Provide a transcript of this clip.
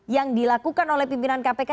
yang dilakukan oleh pimpinan kpk